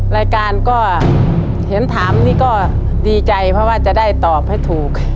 รายการก็เห็นถามนี่ก็ดีใจเพราะว่าจะได้ตอบให้ถูก